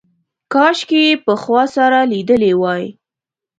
کاشکې یې پخوا سره لیدلي وای.